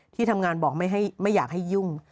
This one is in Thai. ที่ทำงานบอกไม่อยากให้ยุ่ง